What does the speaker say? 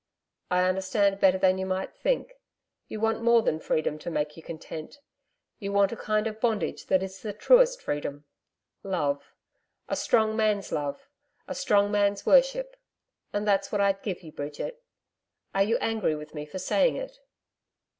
'I understand better than you might think. You want more than freedom to make you content. You want a kind of bondage that is the truest freedom Love a strong man's love, a strong man's worship. And that's what I'd give you, Bridget. Are you angry with me for saying it?'